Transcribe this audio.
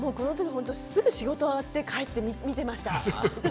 本当すぐ仕事終わって帰って見てました。